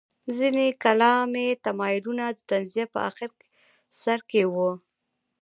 ځینې کلامي تمایلونه د تنزیه په اخر سر کې وو.